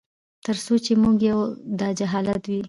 تر څو چي موږ یو داجهالت وي